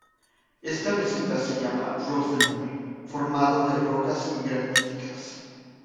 Esta meseta se llama Ross de Mull, formado de rocas graníticas.